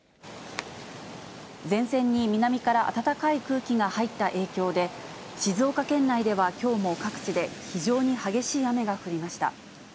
前線に南から暖かい空気が入った影響で、静岡県内ではきょうも各地で非常に激しい雨が降りました。